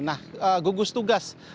nah gugus tugas